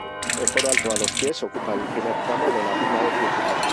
El coro alto a los pies ocupa el primer tramo de la nave principal.